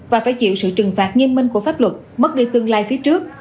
và phải chịu sự trừng phạt nghiêm minh của pháp luật mất đi tương lai phía trước